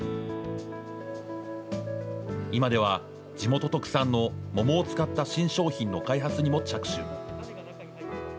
今では、地元特産の桃を使った新商品の開発にも着手。